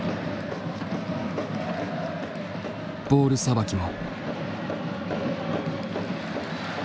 ボールさばきも。